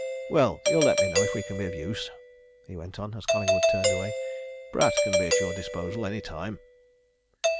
"Well, you'll let me know if we can be of use," he went on, as Collingwood turned away. "Pratt can be at your disposal, any time."